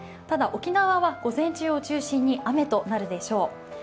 ただ、沖縄は午前中を中心に雨となるでしょう。